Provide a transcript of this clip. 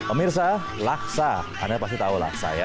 om mirza laksa anda pasti tahu laksa ya